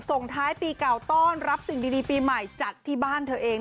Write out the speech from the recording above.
ส่งท้ายปีเก่าต้อนรับสิ่งดีปีใหม่จัดที่บ้านเธอเอง